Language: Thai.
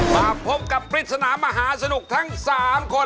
มาพบกับปริศนามหาสนุกทั้ง๓คนเลยครับ